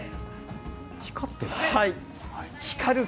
光ってる。